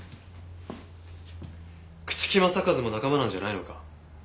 朽木政一も仲間なんじゃないのか？